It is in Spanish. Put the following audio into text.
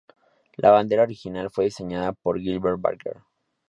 La bandera original fue diseñada por Gilbert Baker.